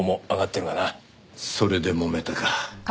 それでもめたか。